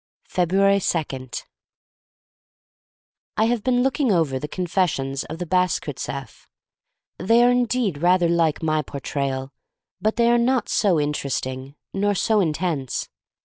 105 / f ebtuats 2. I HAVE been looking over the con fessions of the Bashkirtseff. They are indeed rather like my Por trayal, but they are not so interesting, nor so intense.